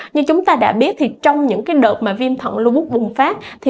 như chúng ta đã biết trong những đợt viêm thẳng lưu bút bùng phát